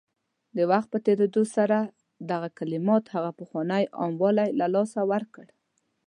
د وخت په تېرېدو سره دغه کلماتو هغه پخوانی عام والی له لاسه ورکړ